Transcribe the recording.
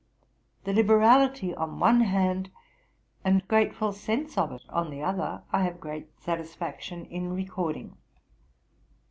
The liberality on one hand, and grateful sense of it on the other, I have great satisfaction in recording.